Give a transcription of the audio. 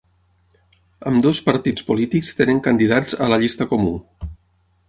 Ambdós partits polítics tenen candidats a la llista comú.